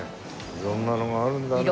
色んなのがあるんだね